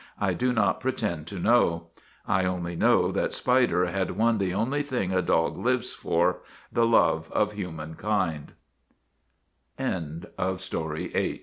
I do not pretend to know. I only know that Spider had won the only thing a dog lives for the love of huma